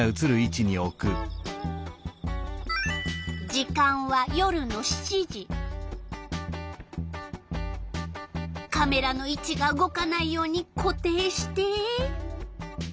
時間はカメラの位置が動かないように固定して。